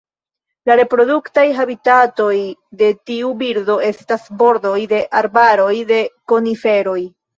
La reproduktaj habitatoj de tiu birdo estas bordoj de arbaroj de koniferoj.